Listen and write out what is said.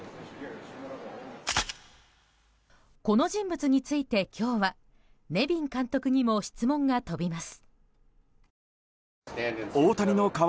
この人物について、今日はネビン監督にも質問が飛びます。